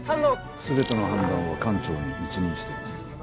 全ての判断は艦長に一任しています。